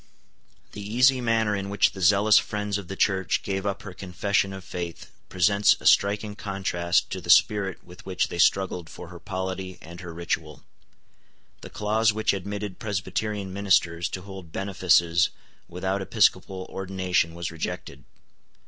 The easy manner in which the zealous friends of the Church gave up her confession of faith presents a striking contrast to the spirit with which they struggled for her polity and her ritual. The clause which admitted Presbyterian ministers to hold benefices without episcopal ordination was rejected.